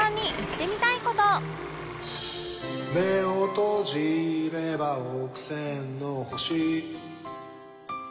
「目を閉じれば億千の星」